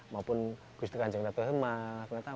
maupun gusti kanjeng datu hemah